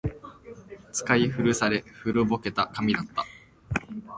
使い古され、古ぼけた紙だった